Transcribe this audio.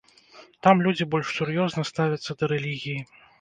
Там людзі больш сур'ёзна ставяцца да рэлігіі.